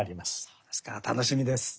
そうですか楽しみです。